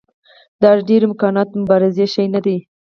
دا د ډېرو امکاناتو د مبارزې شی نه دی.